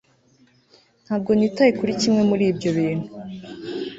Ntabwo nitaye kuri kimwe muri ibyo bintu